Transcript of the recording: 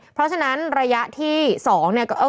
เพราะฉะนั้นระยะที่๒เนี่ย